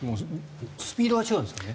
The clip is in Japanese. スピードが違うんですよね。